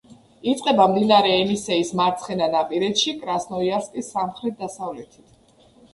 იწყება მდინარე ენისეის მარცხენანაპირეთში, კრასნოიარსკის სამხრეთ-დასავლეთით.